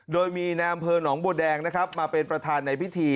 โดยมีนายอำเภอหนองบัวแดงนะครับมาเป็นประธานในพิธี